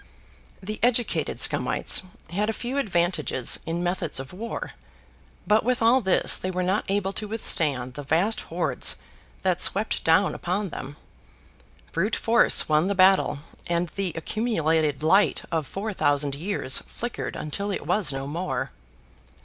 The educated Scumites had a few advantages in methods of war, but with all this they were not able to withstand the vast hordes that swept down upon them. Brute force won the battle and the accumulated light of four thousand years flickered until it was no more.